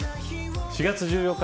４月１４日